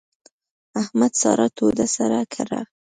احمد سارا توده سړه کړه.